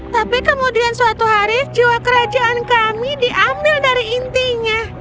tapi kemudian suatu hari jiwa kerajaan kami diambil dari intinya